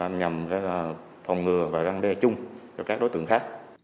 nhằm phòng ngừa và răn đe chung cho các đối tượng khác